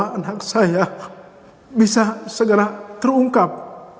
dan kebenaran anak saya bisa segera terungkap